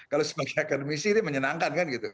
kalau sebagai akademisi ini menyenangkan kan gitu